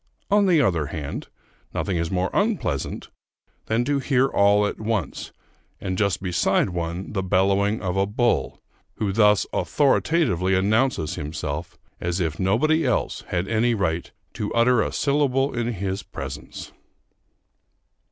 On the other hand, nothing is more unpleasant than to hear all at once, and just beside one, the bellowing of a bull, who thus authoritatively announces himself, as if nobody else had any right to utter a syllable in his presence.